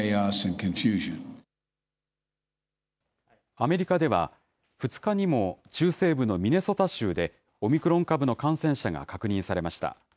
アメリカでは、２日にも中西部のミネソタ州でオミクロン株の感染者が確認されました。